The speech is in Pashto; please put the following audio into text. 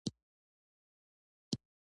نخود په کابل کې کیږي